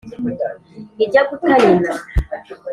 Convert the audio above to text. Ijya guta nyina